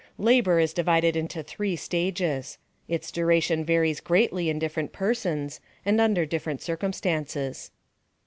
Labor is divided into three stages. Its duration varies greatly in different persons and under different circumstances.